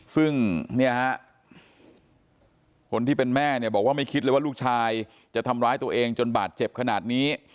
ซึ่งเนี่ยฮะคนที่เป็นแม่เนี่ยบอกว่าไม่คิดเลยว่าลูกชายจะทำร้ายตัวเองจนบาดเจ็บขนาดนี้